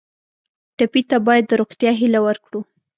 ټپي ته باید د روغتیا هیله ورکړو.